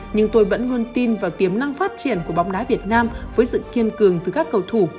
nhưng tôi vẫn luôn tin vào tiềm năng phát triển của bóng đá việt nam với sự kiên cường từ các cầu thủ